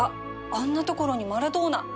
あんな所にマラドーナ